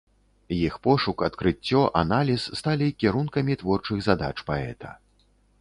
Іх пошук, адкрыццё, аналіз сталі кірункамі творчых задач паэта.